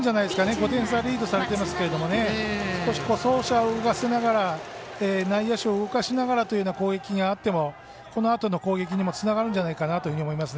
５点差、リードされてますけど走者を動かしながら内野手を動かしながらという攻撃があってもこのあとの攻撃にもつながるんじゃないかなと思います。